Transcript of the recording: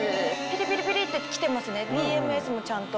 ピリピリってきてますねＥＭＳもちゃんと。